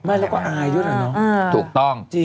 ไม่แล้วก็อายุดเหรอเนอะจริงถูกต้อง